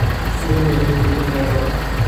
গোড়া হইতেই আমাদের ইহা জানিয়া রাখা ভাল।